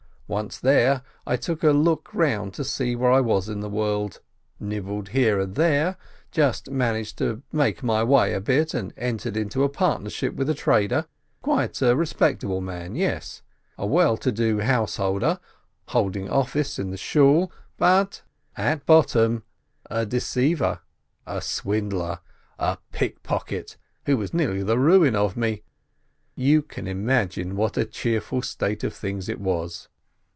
Once there, I took a look round to see where I was in the world, nibbled here and there, just managed to make my way a bit, and entered into a partnership with a trader, quite a respectable man, yes ! A well to do householder, holding office in the Shool, but at bottom a deceiver, a swindler, a pickpocket, who was nearly the ruin of me! You can imagine what a cheerful state of things it was.